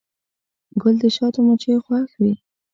ګل د شاتو مچیو خوښ وي.